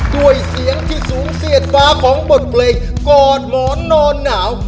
ด้วยเสียงที่สูงเสียดฟ้าของบทเพลงก่อนหมอนนอนหนาว